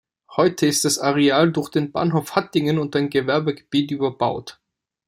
Heute ist das Areal durch den Bahnhof Hattingen und ein Gewerbegebiet überbaut.